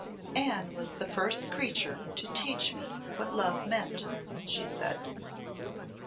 "Anne was the first creature to teach me what love meant," she said.